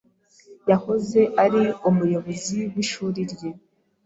Yahoze ari umuyobozi w'ishuri rye.